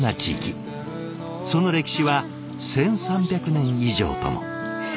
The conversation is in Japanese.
その歴史は１，３００年以上とも。